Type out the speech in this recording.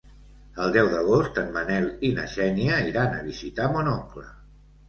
El deu d'agost en Manel i na Xènia iran a visitar mon oncle.